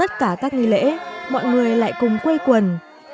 tất cả các nghi lễ mọi người lại cùng quây quần